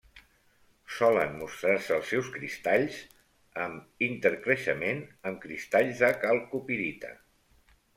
Solen mostrar-se els seus cristalls amb intercreixement amb cristalls de calcopirita.